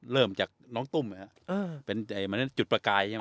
เริ่มจากน้องตุ้มเป็นเหมือนจุดประกายใช่ไหม